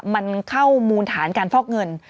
มันเข้ามูลฐานการฟอกเงิน